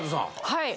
はい。